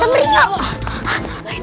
aida bangun aida